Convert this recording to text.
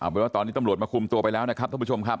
เป็นว่าตอนนี้ตำรวจมาคุมตัวไปแล้วนะครับท่านผู้ชมครับ